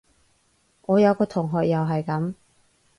我有個同學又係噉